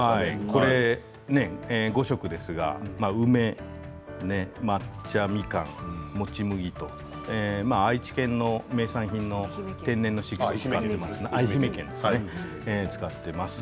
これは５色ですが梅、抹茶、みかん、もち麦と愛媛県の名産品の天然のものを使っています。